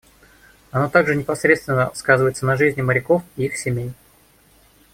Оно также непосредственно сказывается на жизни моряков и их семей.